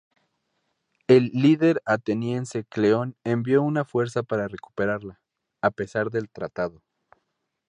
El líder ateniense Cleón envió una fuerza para recuperarla, a pesar del tratado.